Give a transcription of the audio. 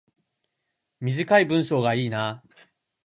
短い文章がいいな